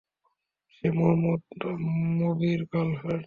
সে মোহাম্মদ মবির গার্লফ্রেন্ড।